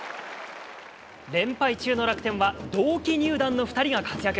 連敗中の楽天は、同期入団の２人が活躍。